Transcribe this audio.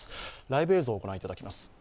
ライブ映像をご覧いただきます。